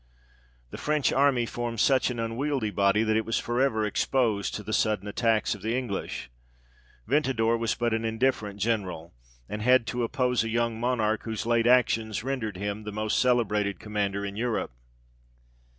The French army formed such an unwieldy body, that it was for ever exposed to the sudden attacks of the English. Venta dour was but an indifferent General, and had to oppose a young Monarch, whose late actions rendered him the most celebrated commander in Europe.